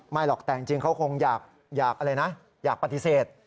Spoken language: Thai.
ไม่หรอกแต่จริงเขาคงอยากปฏิเสธ